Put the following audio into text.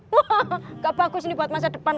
wah gak bagus ini buat masa depan